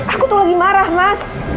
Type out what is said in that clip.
aku tuh lagi marah mas